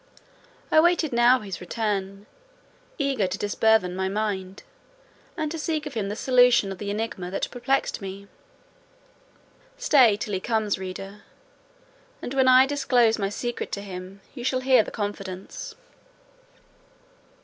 I waited now his return; eager to disburthen my mind, and to seek of him the solution of the enigma that perplexed me. Stay till he comes, reader; and, when I disclose my secret to him, you shall share the confidence.